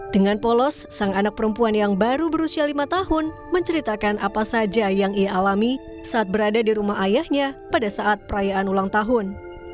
dengan polos sang anak perempuan yang baru berusia lima tahun menceritakan apa saja yang ia alami saat berada di rumah ayahnya pada saat perayaan ulang tahun